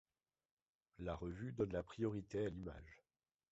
La revue donne la priorité à l'image.